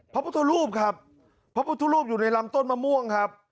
พระพุทธรูปครับพระพุทธรูปอยู่ในลำต้นมะม่วงครับ